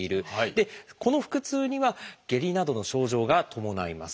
この腹痛には下痢などの症状が伴います。